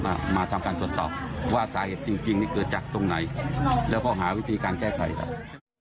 มามาทำการตรวจสอบว่าสาเหตุจริงจริงนี่เกิดจากตรงไหนแล้วก็หาวิธีการแก้ไขครับ